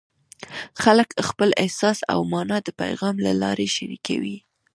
خلک خپل احساس او مانا د پیغام له لارې شریکوي.